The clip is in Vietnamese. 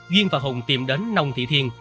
duyên và hùng tìm đến nông thị thiên